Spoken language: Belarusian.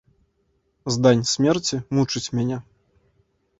Здань смерці мучыць мяне.